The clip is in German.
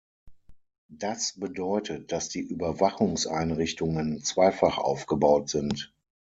Das bedeutet, dass die Überwachungseinrichtungen zweifach aufgebaut sind.